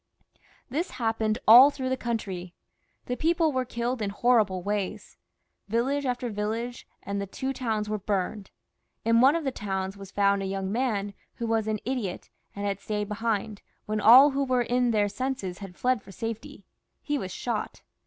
This happened all through the country ; the people were killed in horrible ways ; village after village, and the two towns were burned. In one of the towns was found a young man who was an idiot, and had stayed behind, when every one in their senses had fled for safety. He was shot.